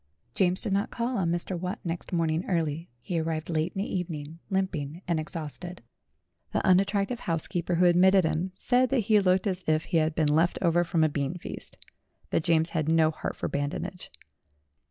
James did not call on Mr. Watt next morning early ; he arrived late in the evening, limping and exhausted. The unattractive housekeeper who admitted him said that he looked like as if he had been left over from a beanfeast. But James had no heart for badinage.